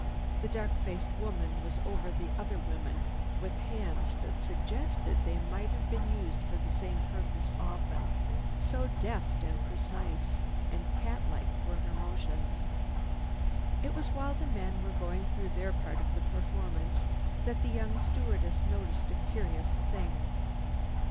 The dark faced woman went over the other women with hands that suggested they might have been used for that same purpose often, so deft, precise and cat like were her motions. It was while the men were going through their part of the performance that the young stewardess noticed a curious thing.